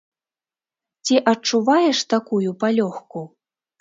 Ці адчуваеш такую палёгку?